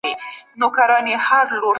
هغه کسان چي په وطن کي اوسي، بختور دي.